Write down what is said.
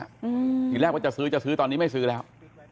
ทีแรกว่าจะซื้อจะซื้อตอนนี้ไม่ซื้อแล้ว